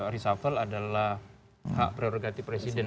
reshuffle adalah hak prerogatif presiden